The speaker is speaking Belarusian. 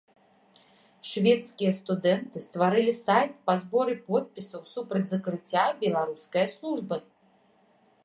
Шведскія студэнты стварылі сайт па зборы подпісаў супраць закрыцця беларускае службы.